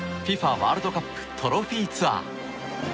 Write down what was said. ワールドカップトロフィーツアー。